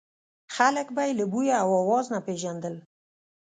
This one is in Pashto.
خلک به یې له بوی او اواز نه پېژندل.